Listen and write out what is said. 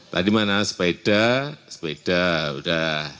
tadi mana sepeda sepeda udah